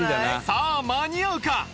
さあ間に合うか？